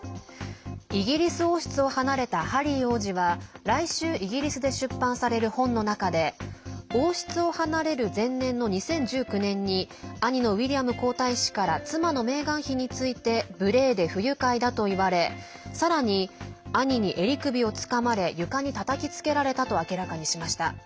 イギリス王室を離れたハリー王子は来週、イギリスで出版される本の中で王室を離れる前年の２０１９年に兄のウィリアム皇太子から妻のメーガン妃について無礼で不愉快だと言われさらに、兄に襟首をつかまれ床にたたきつけられたと明らかにしました。